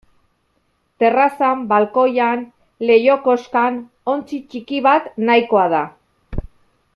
Terrazan, balkoian, leiho-koskan ontzi ttiki bat nahikoa da.